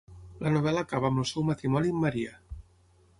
La novel·la acaba amb el seu matrimoni amb Maria.